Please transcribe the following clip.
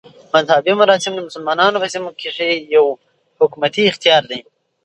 مذهبي مراسم د مسلمانانو په سیمو کښي یو حکومتي اختیار دئ.